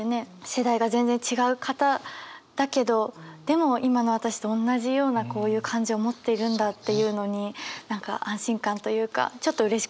世代が全然違う方だけどでも今の私とおんなじようなこういう感情を持っているんだっていうのに何か安心感というかちょっとうれしくなったりもしました。